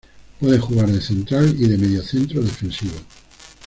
Puede jugar de central y de mediocentro defensivo.